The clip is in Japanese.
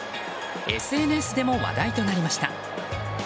ＳＮＳでも話題となりました。